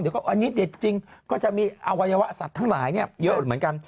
เดี๋ยวก็อันนี้เด็ดจริงก็จะมีอวัยวะสัตว์ทั้งหลายเยอะเหมือนกัน